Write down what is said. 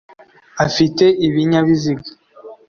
afite ibinyabiziga